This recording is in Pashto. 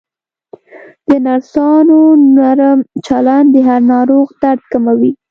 د نرسانو نرم چلند د هر ناروغ درد کموي.